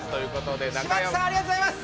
柴田さん、ありがとうございます。